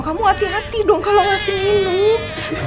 kamu hati hati dong kalau masih minum